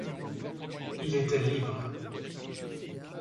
Il était libre.